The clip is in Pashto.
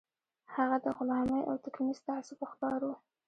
هغه د غلامۍ او توکميز تعصب ښکار و